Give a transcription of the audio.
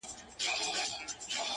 دا ځلي غواړم لېونی سم د هغې مینه کي؛